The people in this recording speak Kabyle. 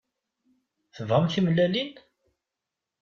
Tebɣam timellalin?